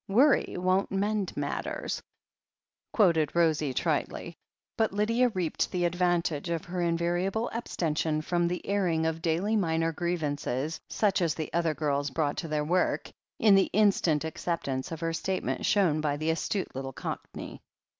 "Worry won't mend matters," quoted Rosie tritely, but Lydia reaped the advantage of her invariable ab stention from the airing of daily minor grievances such as the other girls brought to their work, in the instant acceptance of her statement shown by the astute little Cockney.